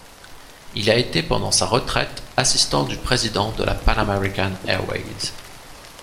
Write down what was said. Il a été pendant sa retraite assistant du Président de la Pan American Airways.